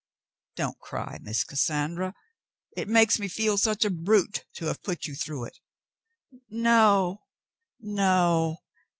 Don't cry, Miss Cassandra. It makes me feel such a brute to have put you through it." "No, no.